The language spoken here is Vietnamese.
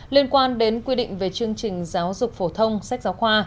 liên quan đến quy định về chương trình giáo dục phổ thông sách giáo khoa